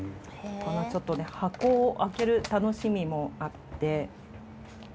ちょっとね箱を開ける楽しみもあって。